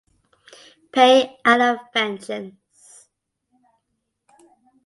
Pai out of vengeance.